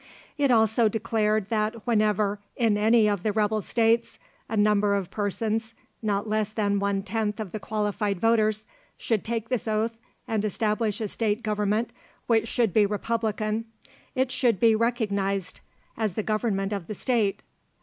It also declared that whenever, in any of the rebel states, a number of persons, not less than one tenth of the qualified voters, should take this oath and establish a state government which should be republican, it should be recognised as the government of the state.